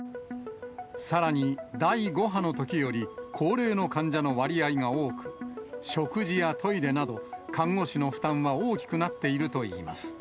さらに、第５波のときより、高齢の患者の割合が多く、食事やトイレなど、看護師の負担は大きくなっているといいます。